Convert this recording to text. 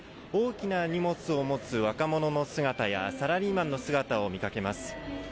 大きな荷物を持つ若者の姿やサラリーマンの姿を見かけます。